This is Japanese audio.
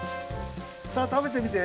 さあたべてみて。